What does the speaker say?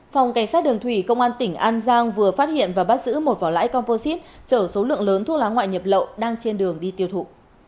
phòng cảnh sát đường thủy công an tỉnh an giang vừa phát hiện và bắt giữ một vỏ lãi composite chở số lượng lớn thuốc lá ngoại nhập lậu đang trên đường đi tiêu thụ